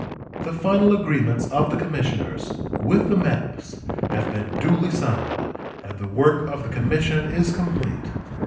The final agreements of the commissioners, with the maps, have been duly signed, and the work of the commission is complete.